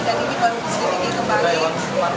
dan ini baru sedikit lagi kembali